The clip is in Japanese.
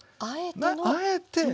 あえての。